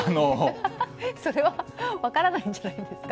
それは分からないんじゃないですか？